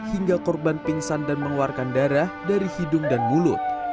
hingga korban pingsan dan mengeluarkan darah dari hidung dan mulut